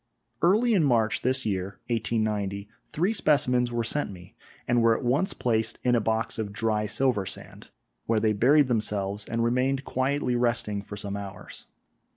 Early in March this year (1890) three specimens were sent me and were at once placed in a box of dry silver sand, where they buried themselves and remained quietly resting for some hours.